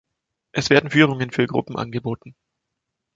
Es werden Führungen für Gruppen angeboten.